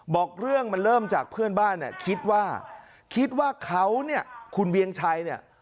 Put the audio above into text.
บอกเรื่องมันเริ่มจากเพื่อนบ้านเนี่ยคิดว่าคิดว่าเขาเนี่ยคุณเวียงชัยเนี่ย